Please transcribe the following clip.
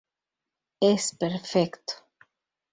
Es perfecto"".